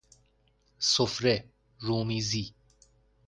سفره، رومیزی